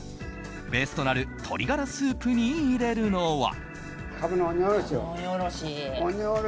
ベースとなる鶏がらスープに入れるのは。